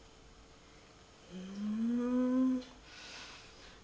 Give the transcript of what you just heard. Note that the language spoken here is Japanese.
ふん。